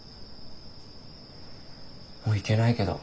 もう行けないけど。